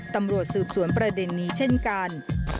ตำรวจสืบสวนประเด็นนี้เช่นกัน